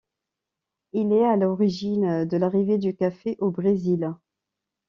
Il est à l'origine de l'arrivée du café au Brésil.